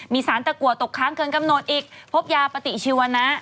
มีสารตะกัวตกค้างเกินกำหนดอีกพบยาปฏิชีวนะ